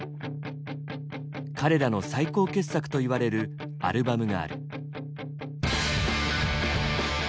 彼らの最高傑作といわれるアルバムがある。